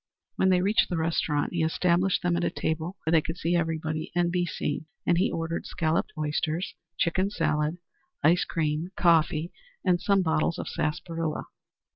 When they reached the restaurant he established them at a table where they could see everybody and be seen, and he ordered scolloped oysters, chicken salad, ice cream, coffee, and some bottles of sarsaparilla.